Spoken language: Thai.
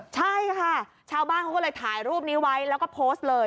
ใช่ค่ะชาวบ้านเขาก็เลยถ่ายรูปนี้ไว้แล้วก็โพสต์เลย